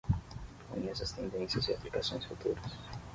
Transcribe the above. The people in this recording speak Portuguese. Conheça as tendências e aplicações futuras